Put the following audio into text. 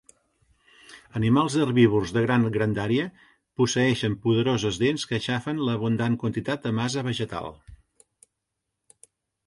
Animals herbívors de gran grandària posseeixen poderoses dents que aixafen l'abundant quantitat de massa vegetal.